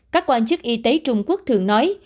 các quan chức y tế trung quốc thường nói